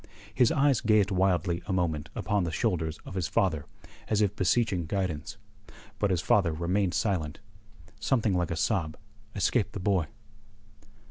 His eyes gazed wildly a moment upon the shoulders of his father, as if beseeching guidance. But his father remained silent. Something like a sob escaped the boy.